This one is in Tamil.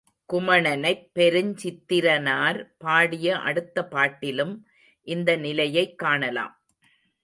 குமணனைப் பெருஞ்சித்திரனார் பாடிய அடுத்த பாட்டிலும் இந்த நிலையைக் காணலாம்.